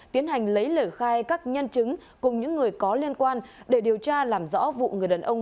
tiến hành lấy lời khai các nhân chứng cùng những người có liên quan để điều tra làm rõ vụ người đàn ông